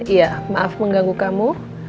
iya maaf mengganggu kamu